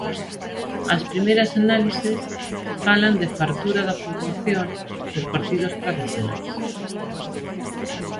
As primeiras análises falan de fartura da poboación cos partidos tradicionais.